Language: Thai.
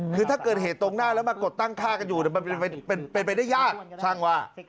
คือถ้าเกิดเหตุตรงหน้าแล้วมากดตั้งค่ากันอยู่มันเป็นไปได้ยากช่างว่า